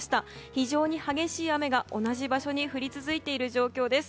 非常に激しい雨が同じ場所に降り続いている状況です。